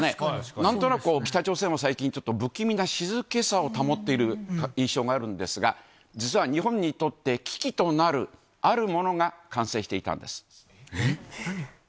なんとなく、北朝鮮は最近、ちょっと不気味な静けさを保っている印象があるんですが、実は日本にとって危機となる、あるものが完成していたんです。